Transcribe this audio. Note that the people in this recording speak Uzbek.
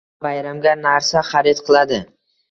Hamma bayramga narsa xarid qiladi